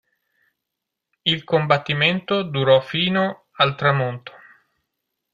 Il combattimento durò fino al tramonto.